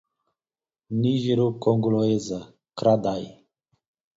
Nigero-congolesa, Kra-Dai